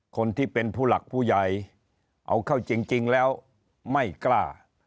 คนที่เป็นผู้หลักผู้ใหญ่เอาเข้าจริงแล้วไม่กล้า